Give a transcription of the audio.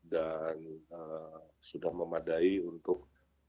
dan sudah memadai untuk pengurusan